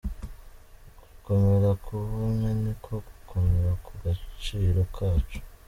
Gukomera ku bumwe niko gukomera ku gaciro kacu.